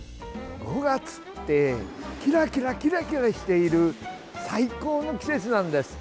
５月ってキラキラしている最高の季節なんです。